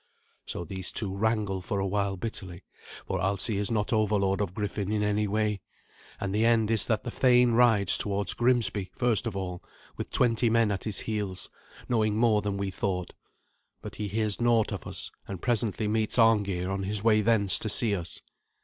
So these two wrangle for a while bitterly, for Alsi is not overlord of Griffin in any way. And the end is that the thane rides towards Grimsby first of all, with twenty men at his heels, knowing more than we thought. But he hears naught of us, and presently meets Arngeir on his way thence to see us.